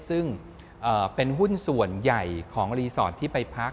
ซึ่งเป็นหุ้นส่วนใหญ่ของรีสอร์ทที่ไปพัก